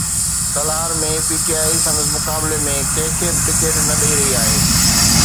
Talhar ۾ PTI سندس مقابلي ۾ ڪنهن کي به ٽڪيٽ نه ڏئي رهي آهي.